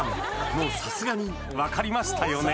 もうさすがに分かりましたよね？